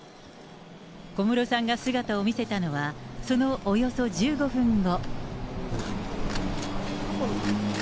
小室さんが姿を見せたのは、そのおよそ１５分後。